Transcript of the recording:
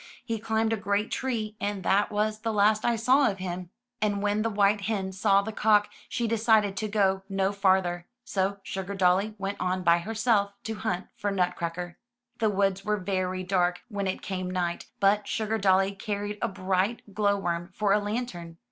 "He climbed a great tree, and that was the last I saw of him." And when the white hen saw the cock, she decided to go no farther; so Sugardolly went on by herself to hunt for Nutcracker. The woods were very dark when it came night, but Sugardolly carried a bright glow worm for a lantern.